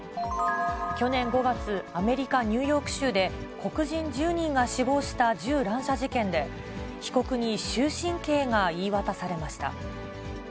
去年５月、アメリカ・ニューヨーク州で、黒人１０人が死亡した銃乱射事件で、被告に終身刑が言い渡されました。